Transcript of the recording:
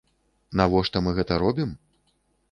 Навошта мы гэта робім?